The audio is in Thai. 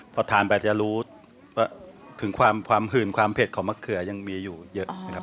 พอทานไปจะรู้ถึงความหื่นความเผ็ดของมะเขือยังมีอยู่เยอะนะครับ